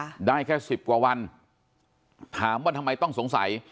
ได้แค่สิบกว่าวันถามว่าทำไมต้องสงสัย